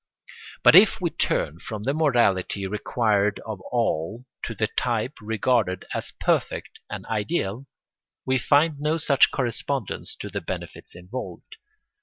But if we turn from the morality required of all to the type regarded as perfect and ideal, we find no such correspondence to the benefits involved.